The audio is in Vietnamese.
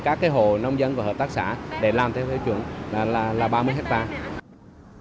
các hồ nông dân của hợp tác xã để làm theo thay chuẩn là ba mươi hectare